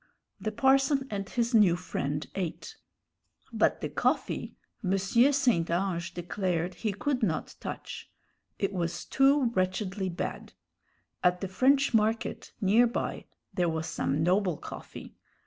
The parson and his new friend ate. But the coffee M. St. Ange declared he could not touch: it was too wretchedly bad. At the French Market, near by, there was some noble coffee.